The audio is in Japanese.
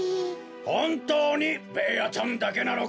ほんとうにベーヤちゃんだけなのか？